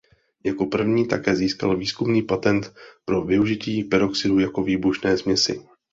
Jako první také získal výzkumný patent pro využití peroxidu jako výbušné směsi.